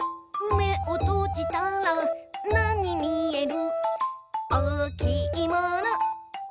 「めをとじたらなにみえる？」